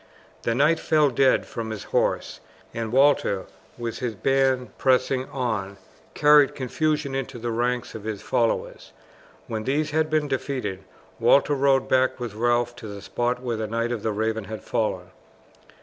The knight fell dead from his horse, and Walter, with his band pressing on, carried confusion into the ranks of his followers. When these had been defeated Walter rode back with Ralph to the spot where the Knight of the Raven had fallen.